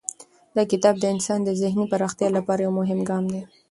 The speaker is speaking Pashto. دا کتاب د انسان د ذهني پراختیا لپاره یو مهم ګام دی.